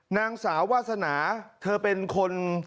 นางสาววาสนาเธอเป็นคน